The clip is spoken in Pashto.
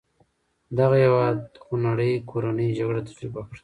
دغه هېواد خونړۍ کورنۍ جګړه تجربه کړه.